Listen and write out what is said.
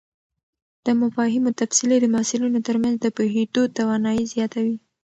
د مفاهیمو تفصیل د محصلینو تر منځ د پوهېدو توانایي زیاتوي.